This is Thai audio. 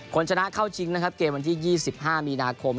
คนชนะเข้าชิงนะครับเกมวันที่๒๕มีนาคม